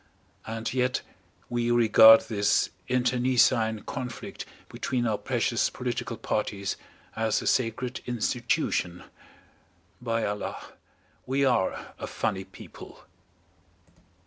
And yet we regard this internecine conflict between our precious political parties as a sacred institution. By Allah, we are a funny people!